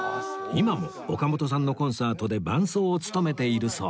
今も岡本さんのコンサートで伴奏を務めているそう